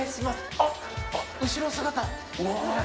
あっ、後ろ姿。